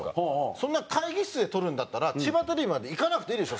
そんな会議室で撮るんだったら千葉テレビまで行かなくていいでしょ